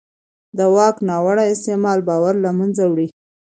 د واک ناوړه استعمال باور له منځه وړي